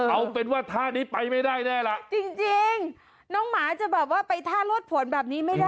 เอาเป็นว่าท่านี้ไปไม่ได้แน่ล่ะจริงน้องหมาจะแบบว่าไปท่ารวดผลแบบนี้ไม่ได้